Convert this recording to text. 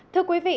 thưa quý vị